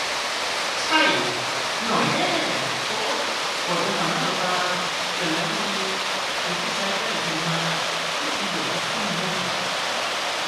ใช่ หน่อยแน่ โค้ด หมดกันต่อหน้าต่อตา เสร็จแล้วมีอิ ที่ใช้ไม่ได้จริงมา เมื่อกี้โบกแท็กซี่แม่ม